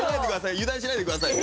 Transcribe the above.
油断しないで下さいね。